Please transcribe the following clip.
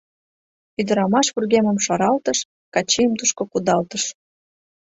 Ӱдырамаш вургемым шаралтыш, Качийым тушко кудалтыш.